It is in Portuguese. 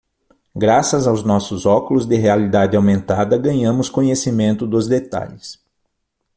Graças aos nossos óculos de realidade aumentada, ganhamos conhecimento dos detalhes.